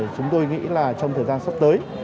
chúng tôi nghĩ là trong thời gian sắp tới